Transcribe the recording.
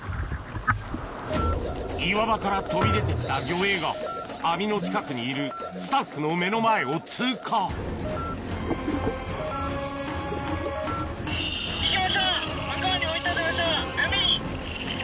岩場から飛び出てきた魚影が網の近くにいるスタッフの目の前を通過よし！